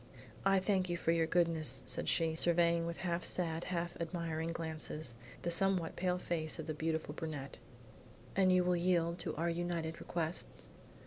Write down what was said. "I thank you for your goodness," said she, surveying with half sad, half admiring glances, the somewhat pale face of the beautiful brunette. "And you will yield to our united requests?"